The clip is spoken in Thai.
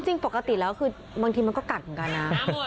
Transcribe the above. จริงปกติแล้วคือบางทีมันก็กัดเหมือนกันนะ